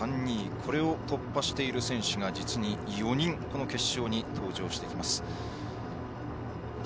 これを突破している選手が実に４人決勝に登場してきます。